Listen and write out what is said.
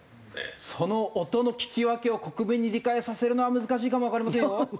その音の聞き分けを国民に理解させるのは難しいかもわかりませんよ。